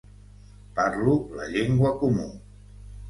Parlo la llengua comú.